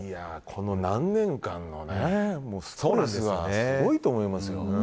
この何年間のストレスはすごいと思いますよ。